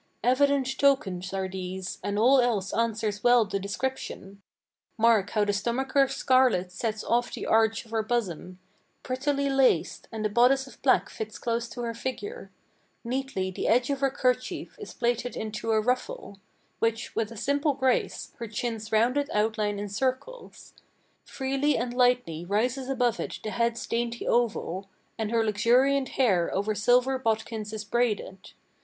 Evident tokens are these, and all else answers well the description. Mark how the stomacher's scarlet sets off the arch of her bosom, Prettily laced, and the bodice of black fits close to her figure; Neatly the edge of her kerchief is plaited into a ruffle, Which, with a simple grace, her chin's rounded outline encircles; Freely and lightly rises above it the bead's dainty oval, And her luxuriant hair over silver bodkins is braided.